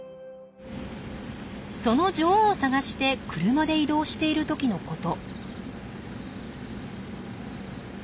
その女王を探して車で移動している時のこと。